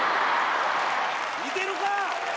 似てるか！